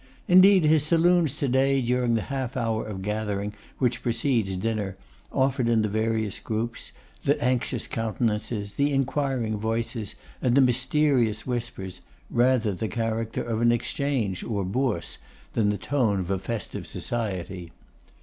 Indeed his saloons to day, during the half hour of gathering which precedes dinner, offered in the various groups, the anxious countenances, the inquiring voices, and the mysterious whispers, rather the character of an Exchange or Bourse than the tone of a festive society.